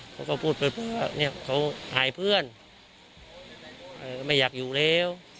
เขาก็พูดไปว่าเนี่ยเขาหายเพื่อนไม่อยากอยู่แล้ว